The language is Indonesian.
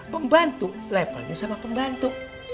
pembantu levelnya sama pembantu